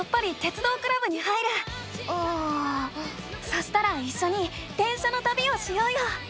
そしたらいっしょに電車のたびをしようよ！